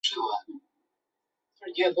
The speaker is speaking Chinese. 街道以英皇佐治五世的称号命名。